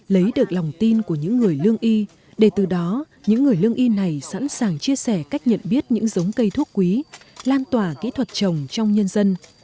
lấy được lòng tin của những người lương y để từ đó những người lương y này sẵn sàng chia sẻ cách nhận biết những giống cây thuốc quý lan tỏa kỹ thuật trồng trong nhân dân